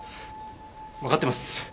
わかってます。